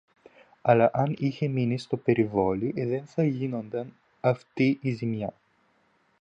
Αλλά αν είχε μείνει στο περιβόλι, δε θα γίνουνταν αυτή η ζημία